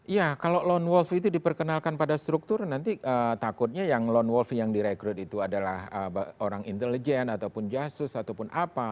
ya kalau lone wolf itu diperkenalkan pada struktur nanti takutnya yang lone wolf yang direkrut itu adalah orang intelijen ataupun jasus ataupun apa